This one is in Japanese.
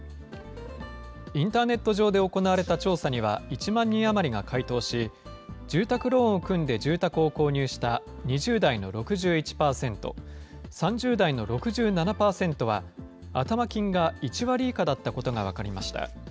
インターネット上で行われた調査には、１万人余りが回答し、住宅ローンを組んで住宅を購入した２０代の６１％、３０代の６７％は、頭金が１割以下だったことが分かりました。